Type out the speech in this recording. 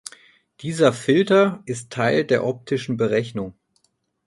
Dieser Filter ist Teil der optischen Berechnung.